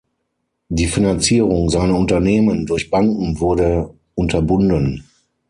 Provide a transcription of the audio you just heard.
Die Finanzierung seiner Unternehmen durch Banken wurde unterbunden.